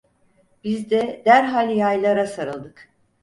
Biz de derhal yaylara sarıldık.